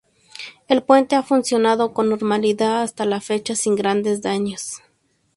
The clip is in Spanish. El puente ha funcionado con normalidad hasta la fecha, sin grandes daños.